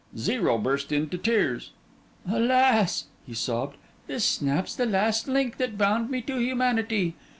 Zero burst into tears. 'Alas!' he sobbed, 'this snaps the last link that bound me to humanity.